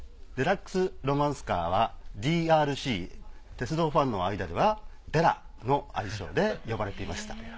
デラックスロマンスカーはＤＲＣ鉄道ファンの間ではデラの愛称で呼ばれていました。